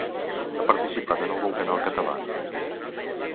Ha participat en algun canal català?